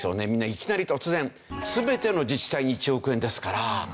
いきなり突然全ての自治体に１億円ですから。